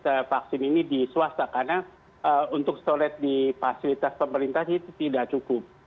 untuk vaksin ini di swasta karena untuk storage di fasilitas pemerintah itu tidak cukup